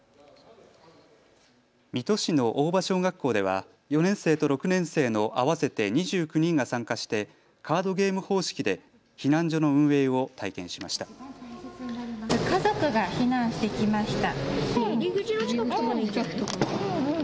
水戸市の大場小学校では４年生と６年生の合わせて２９人が参加してカードゲーム方式で避難所の運営を体験しました。